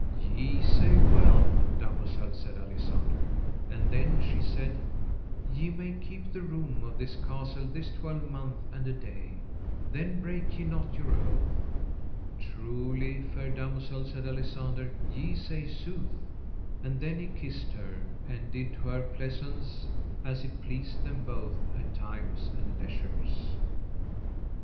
Ye say well, damosel, said Alisander. And then she said: Ye may keep the room of this castle this twelvemonth and a day, then break ye not your oath. Truly, fair damosel, said Alisander, ye say sooth. And then he kissed her, and did to her pleasaunce as it pleased them both at times and leisures.